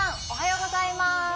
おはようございます